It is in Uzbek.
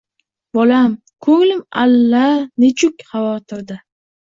Bolam ko‘nglim allanechuk xavotirda